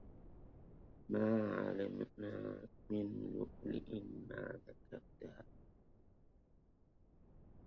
ما علمنا من لؤلؤ ما ذكرتا